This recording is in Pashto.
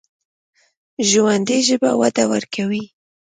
ژوندي ژبه وده ورکوي